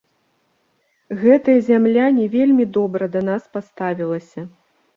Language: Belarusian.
Гэтая зямля не вельмі добра да нас паставілася.